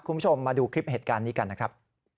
คุณผู้ชมมาดูคลิปเหตุการณ์นี้กันนะครับ